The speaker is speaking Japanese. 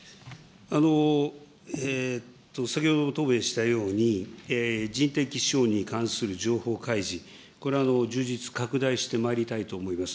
先ほど答弁したように、人的資本に関する情報開示、これは充実、拡大してまいりたいと思います。